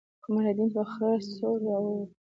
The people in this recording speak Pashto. قمرالدين يې په خره سور راوړو.